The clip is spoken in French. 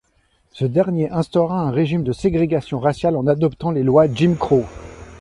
Ce dernier instaura un régime de ségrégation raciale en adoptant les lois Jim Crow.